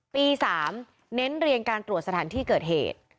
ปี๓เน้นเรียงการตรวจสถานที่เกิดเหตุ